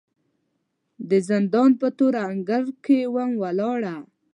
د زندان په تور انګړ کې وم ولاړه